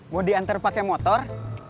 mau dianter pakai motor